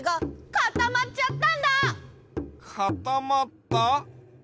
かたまった？